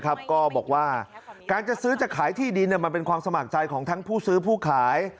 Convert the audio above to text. ก็บอกว่าการจะซื้อจะขายที่ดินมันเป็นความสมัครใจของทั้งผู้ซื้อผู้ขาย